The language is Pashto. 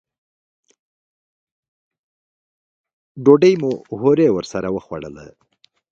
ډوډۍ مو هورې ورسره وخوړله.